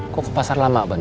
tentang warungnya tutup